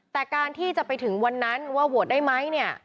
แต่การที่จะไปถึงวันนั้นว่าโหวตได้ไหมเนี่ย